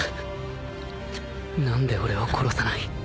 何で俺を殺さない？